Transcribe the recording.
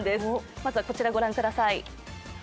まずはこちら、御覧ください。